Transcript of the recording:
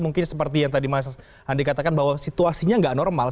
mungkin seperti yang tadi mas andi katakan bahwa situasinya nggak normal